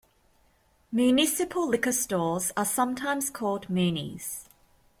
Municipal liquor stores are sometimes called Munis.